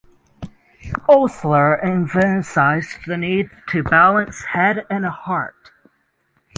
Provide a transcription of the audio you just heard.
Osler emphasized the need to balance "head" and "heart".